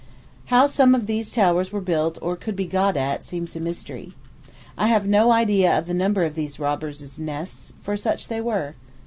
How some of these towers were built, or could be got at, seems a mystery. I had no idea of the number of these robbers' nests, for such they were.